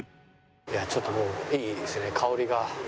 ちょっともういいですね香りが。